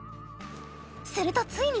するとついに！